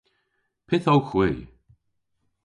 Pyth owgh hwi?